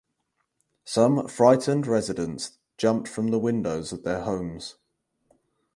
Some frightened residents jumped from the windows of their homes.